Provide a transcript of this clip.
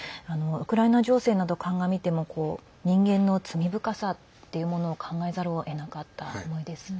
ウクライナ情勢など鑑みても人間の罪深さっていうものを考えざるをえなかった思いです。